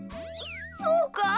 そうか？